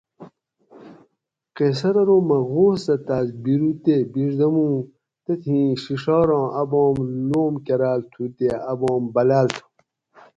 قیصر ارو مہ غور سہ تاۤس بیرو تے بِڛدموں تتھیں ڛِڛاراں اۤ بام لوم کراۤل تھو تے اۤ بام بلاۤل تھو